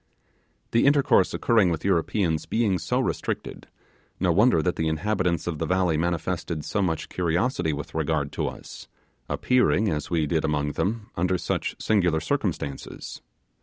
The intercourse occurring with Europeans being so restricted, no wonder that the inhabitants of the valley manifested so much curiosity with regard to us, appearing as we did among them under such singular circumstances.